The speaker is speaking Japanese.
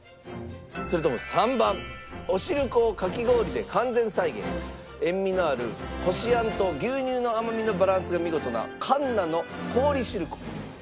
それとも３番おしるこをかき氷で完全再現塩味のあるこしあんと牛乳の甘みのバランスが見事なかんなの氷しるこか？